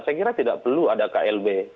saya kira tidak perlu ada klb